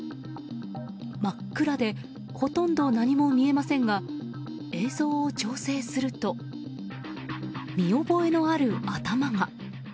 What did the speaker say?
真っ暗でほとんど何も見えませんが映像を調整すると見覚えのある頭が。